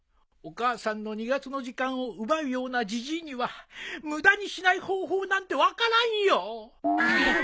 お母さんの２月の時間を奪うようなじじいには無駄にしない方法なんて分からんよ。